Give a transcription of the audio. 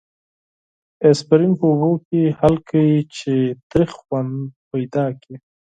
اسپرین په اوبو کې حل کړئ چې تریخ خوند پیدا کړي.